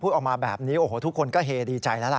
ออกมาแบบนี้โอ้โหทุกคนก็เฮดีใจแล้วล่ะ